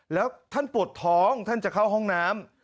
แล้วท่านปวดท้องท่านจะเข้าห้องน้ำ